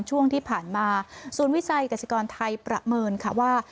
ช่วงที่ผ่านมาศูนย์วิจัยกษิกรไทยประเมินค่ะว่า